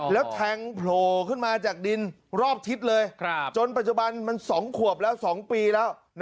แล้วแทงโผล่ขึ้นมาจากดินรอบทิศเลยจนปัจจุบันมัน๒ขวบแล้ว๒ปีแล้ว